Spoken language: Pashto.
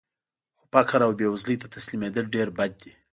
خو فقر او بېوزلۍ ته تسلیمېدل ډېر بد دي